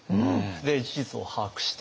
で事実を把握して。